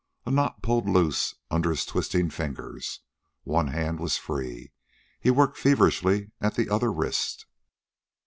A knot pulled loose under his twisting fingers. One hand was free. He worked feverishly at the other wrist.